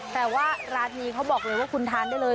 แต่ว่าร้านนี้เขาบอกเลยว่าคุณทานได้เลย